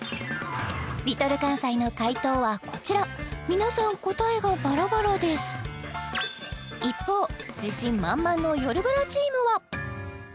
Ｌｉｌかんさいの解答はこちら皆さん答えがバラバラです一方自信満々のせのドン！